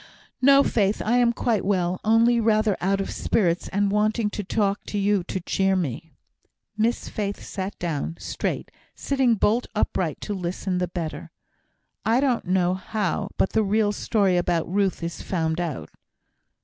"No, Faith! I am quite well, only rather out of spirits, and wanting to talk to you to cheer me." Miss Faith sat down, straight, sitting bolt upright to listen the better. "I don't know how, but the real story about Ruth is found out."